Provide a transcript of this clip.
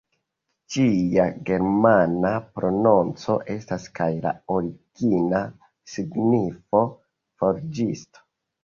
Ĝia germana prononco estas kaj la origina signifo "forĝisto".